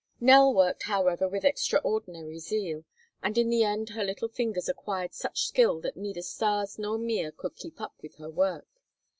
Nell worked, however, with extraordinary zeal, and in the end her little fingers acquired such skill that neither Stas nor Mea could keep up with her work.